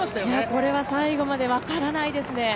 これは最後まで分からないですね。